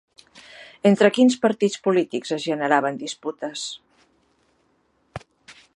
Entre quins partits polítics es generaven disputes?